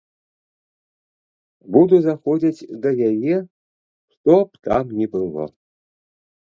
Буду заходзіць да яе, што б там ні было.